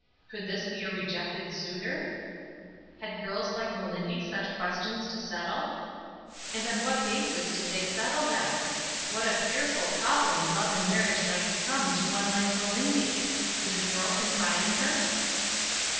Could this be a rejected suitor ? Had girls like Melindy such questions to settle . 4nd on what basis did they settle them ? What ■ a fearful problem love and marriage might become to one like Melindy! Would the girl confide in her?